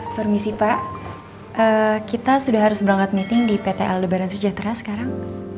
permisi pak kita sudah harus berangkat meeting di pt al lebaran sejahtera sekarang